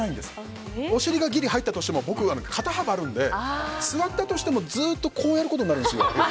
お尻がギリ入ったとしても僕は肩幅があるので座ったとしてもずっとこうやることになるんですよ。